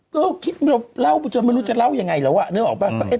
ก็คิดไม่รู้จะเล่าอย่างไรเสียวะนึกออกไหม